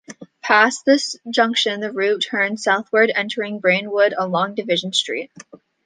Past this junction, the route turns southward, entering Braidwood along Division Street.